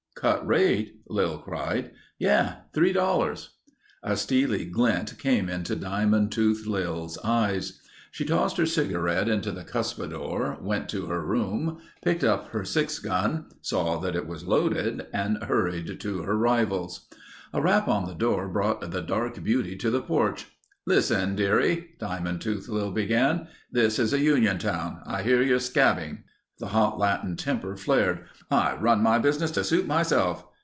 "Cut rate?" Lil cried. "Yeh. Three dollars." A steely glint came into Diamond Tooth Lil's eyes. She tossed her cigarette into the cuspidor, went to her room, picked up her six gun, saw that it was loaded and hurried to her rival's. A rap on the door brought the dark beauty to the porch. "Listen dearie," Diamond Tooth Lil began. "This is a union town. I hear you're scabbing." The hot Latin temper flared. "I run my business to suit myself...."